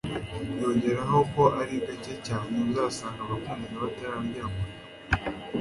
yongeraho ko ari gake cyane uzasanga abakundana batararyamana